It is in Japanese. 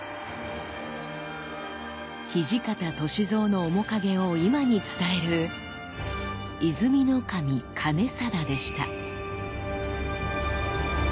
土方歳三の面影を今に伝える「和泉守兼定」でした。